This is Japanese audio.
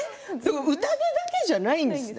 うたげだけじゃないんですね。